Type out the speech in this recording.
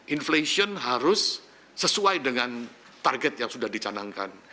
inflation harus sesuai dengan target yang sudah dicanangkan